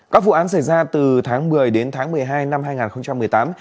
các vụ án xảy ra từ tháng một mươi đến tháng một mươi hai năm hai nghìn một mươi tám